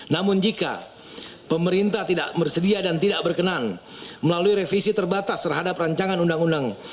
namun jika pemerintah tidak bersedia dan tidak berkenan melalui revisi terbatas terhadap rancangan undang undang